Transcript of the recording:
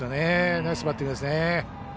ナイスバッティングですね。